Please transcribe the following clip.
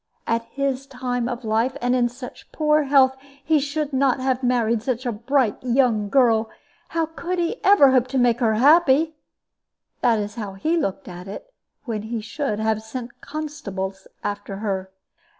At his time of life, and in such poor health, he should not have married a bright young girl: how could he ever hope to make her happy? That was how he looked at it, when he should have sent constables after her."